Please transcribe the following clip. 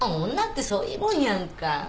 女ってそういうもんやんか。